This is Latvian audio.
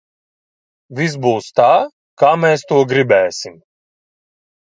Viss būs tā, kā mēs to gribēsim!